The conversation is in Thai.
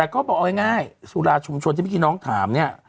เขาบอกง่ายศูลาชุมชนที่พี่น้องถามเนี่ย